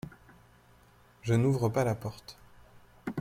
Je n'ouvre pas la porte.